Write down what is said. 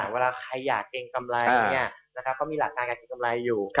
เวลาใครอยากเกรงกำไรเขามีหลักการการเกรงกำไรอยู่